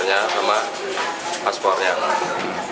pertama paspornya sama paspornya